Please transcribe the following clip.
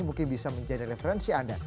mungkin bisa menjadi referensi anda